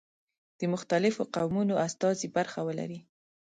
د مختلفو قومونو استازي برخه ولري.